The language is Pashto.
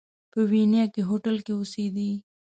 په ویانا کې هوټل کې اوسېدی.